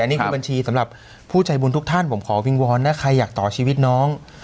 นี่คือบัญชีสำหรับผู้ใจบุญทุกท่านผมขอวิงวอนนะใครอยากต่อชีวิตน้อง